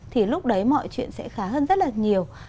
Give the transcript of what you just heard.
thì lúc đấy mọi chuyện sẽ khá hơn rất là nhiều